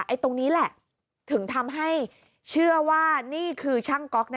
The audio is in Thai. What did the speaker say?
ตรงนี้แหละถึงทำให้เชื่อว่านี่คือช่างก๊อก